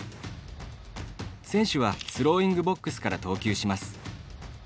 選手はスローイングボックスから投球します。